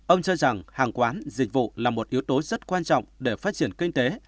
ông cho rằng hàng quán dịch vụ là một yếu tố rất quan trọng để phát triển kinh tế